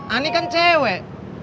ani kan cewek